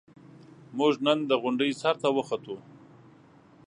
موږ نن د غونډۍ سر ته وخوتو.